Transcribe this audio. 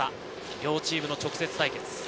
両チームの直接対決。